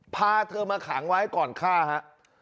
พาเธอมาขังไว้ก่อนฆ่าฮะ